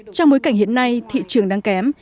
trong bối cảnh hiện nay thị trường đang kém